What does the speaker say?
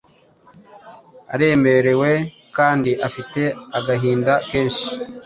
aremerewe kandi afite agahinda kenshi,